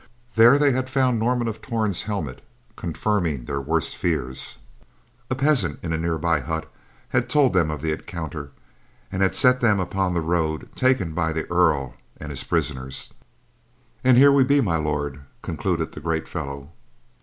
There they had found Norman of Torn's helmet, confirming their worst fears. A peasant in a nearby hut had told them of the encounter, and had set them upon the road taken by the Earl and his prisoners. "And here we be, My Lord," concluded the great fellow.